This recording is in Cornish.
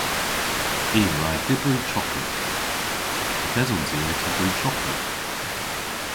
I a wra dybri choklet. Yth esons i ow tybri choklet.